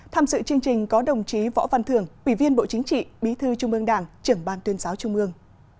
tham dự chương trình có đồng chí võ văn thường ủy viên bộ chính trị bí thư trung ương đảng trưởng ban tuyên giáo trung ương